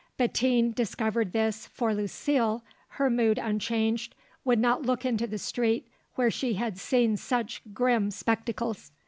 Bettine discovered this, for Lucile, her mood unchanged, would not look into the street where she had seen such grim spectacles.